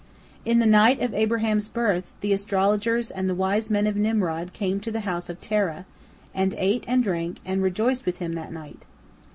In the night of Abraham's birth, the astrologers and the wise men of Nimrod came to the house of Terah, and ate and drank, and rejoiced with him that night.